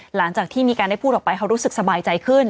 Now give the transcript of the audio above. หลังจากที่มีการได้พูดออกไปเขารู้สึกสบายใจขึ้น